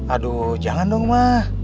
aduh jangan dong ma